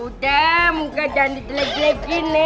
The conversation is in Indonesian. udah muka jangan di jelek jelek gini